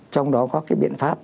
trong đó có cái biện pháp